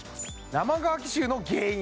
生乾き臭の原因